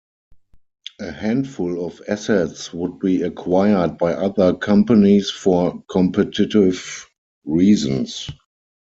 A handful of assets would be acquired by other companies for competitive reasons.